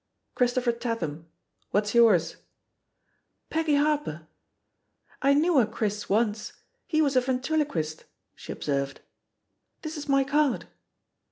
'* "Christopher Tatham. What's yours?" *'^^SS7 Harper. I knew a *Chris' once; he was a ventriloquist," she obseired. "This is my card."